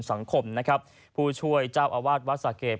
ขุมสังคมผู้ช่วยจ้าวอวาดวรรษาเกต